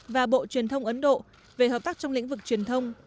và bộ truyền thông ấn độ về hợp tác trong lĩnh vực truyền thông